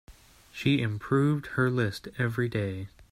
She improved her list every day.